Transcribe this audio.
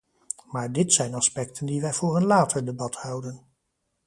Maar dit zijn aspecten die wij voor een later debat houden.